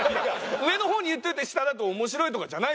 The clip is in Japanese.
上の方に言っといて下だと面白いとかじゃないですよ。